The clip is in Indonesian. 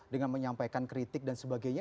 dengan menyampaikan kritik dan sebagainya